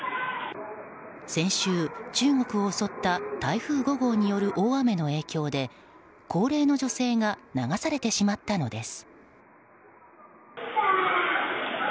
先週、中国を襲った台風５号による大雨の影響で高齢の女性が流されてしまったのです。